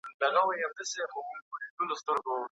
که تاسو وخت ونه لرئ، سنکس مرسته کوي.